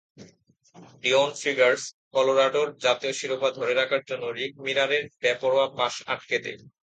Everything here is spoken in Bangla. ডিওন ফিগারস, কলোরাডোর জাতীয় শিরোপা ধরে রাখার জন্য রিক মিরারের বেপরোয়া পাস আটকে দেয়।